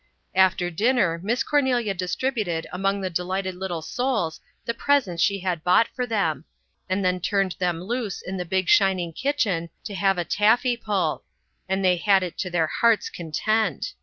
After dinner Miss Cornelia distributed among the delighted little souls the presents she had bought for them, and then turned them loose in the big shining kitchen to have a taffy pull and they had it to their hearts' content!